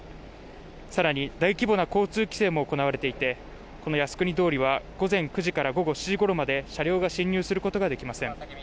さらに大規模な交通規制も行われていてこの靖国通りは午前９時から午後７時ごろまで車両が進入することができません